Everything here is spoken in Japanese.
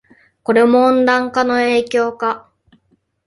これも温暖化の影響か